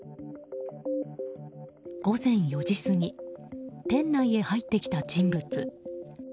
午前４時過ぎ店内へ入ってきた人物。